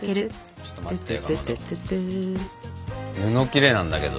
ちょっと待ってかまど！